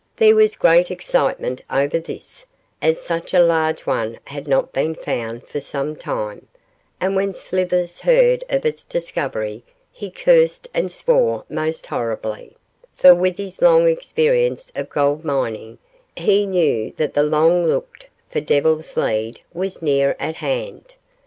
There was great excitement over this, as such a large one had not been found for some time, and when Slivers heard of its discovery he cursed and swore most horribly; for with his long experience of gold mining, he knew that the long looked for Devil's Lead was near at hand.